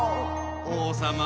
おうさま